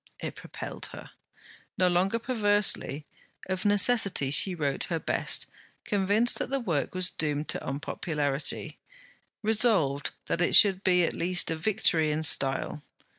It propelled her. No longer perversely, of necessity she wrote her best, convinced that the work was doomed to unpopularity, resolved that it should be at least a victory in style.